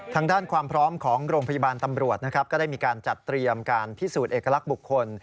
ทางด้านความพร้อมของโรงพยาบาลตำรวจนะครับก็ได้มีการจัดเตรียมการพิสูจน์เอกลักษณ์บุคคล